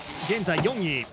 現在４位。